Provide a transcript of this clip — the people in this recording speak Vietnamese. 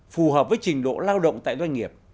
phù hợp với trình độ lao động tại doanh nghiệp